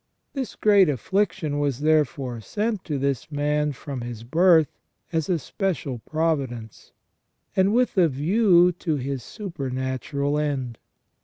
This great affliction was therefore sent to this man from his birth as a special providence, and with a view to his super natural end.